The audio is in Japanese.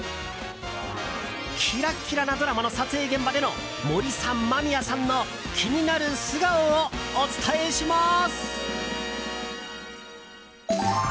キラキラなドラマの撮影現場での森さん、間宮さんの気になる素顔をお伝えします。